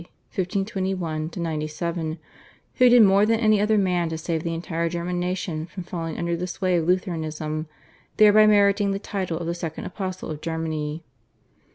(1521 97) who did more than any other man to save the entire German nation from falling under the sway of Lutheranism, thereby meriting the title of the second apostle of Germany.